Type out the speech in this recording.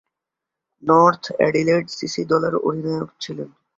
North Adelaide CC দলের অধিনায়ক ছিলেন।